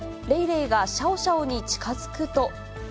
レイレイがシャオシャオに近づくと。